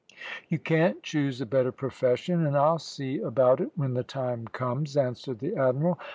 "You can't choose a better profession, and I'll see about it when the time comes," answered the Admiral.